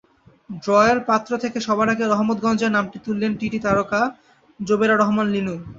ড্রয়ের পাত্র থেকে সবার আগে রহমতগঞ্জের নামটি তুললেন টিটি তারকা জোবেরা রহমান লিনু।